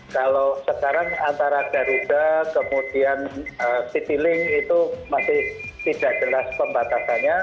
kalau sekarang antara garuda kemudian citylink itu masih tidak jelas pembatasannya